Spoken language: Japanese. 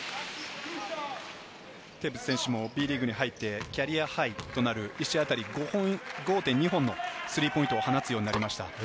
テーブス選手のＢリーグに入ってキャリアハイとなる１試合あたり５．２本のスリーポイントを放つようになりました。